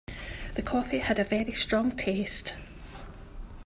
The coffee had a very strong taste.